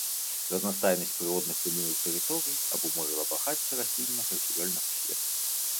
Разнастайнасць прыродных умоў тэрыторыі абумовіла багацце расліннага і жывёльнага свету.